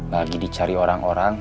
lagi dicari orang orang